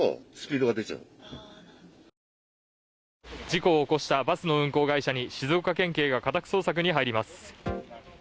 事故を起こしたバスの運行会社に静岡県警が家宅捜索に入ります。